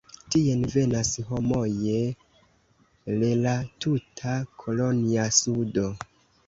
Tien venas homoje le la tuta kolonja sudo.